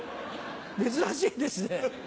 珍しいですね。